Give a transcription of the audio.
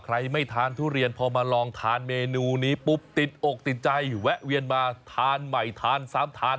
ไม่ทานทุเรียนพอมาลองทานเมนูนี้ปุ๊บติดอกติดใจแวะเวียนมาทานใหม่ทาน๓ทาน